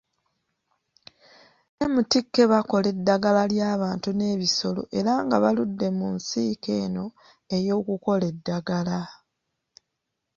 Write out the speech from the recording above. MTK bakola eddagala ly'abantu n'ebisolo era nga baludde mu nsiike eno ey'okukola eddagala.